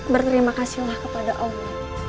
berterima kasihlah kepada allah